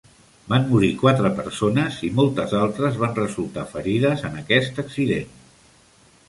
Van morir quatre persones i moltes altres van resultar ferides en aquest accident.